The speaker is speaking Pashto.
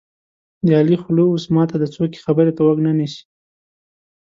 د علي خوله اوس ماته ده څوک یې خبرې ته غوږ نه نیسي.